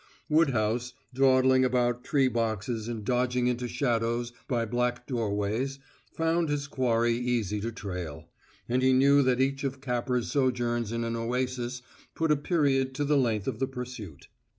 Woodhouse, dawdling about tree boxes and dodging into shadows by black doorways, found his quarry easy to trail. And he knew that each of Capper's sojourns in an oasis put a period to the length of the pursuit.